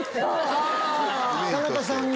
あぁ田中さんに？